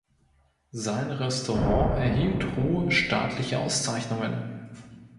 Sein Restaurant erhielt hohe staatliche Auszeichnungen.